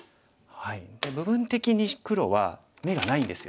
部分的に黒は眼がないんですよ。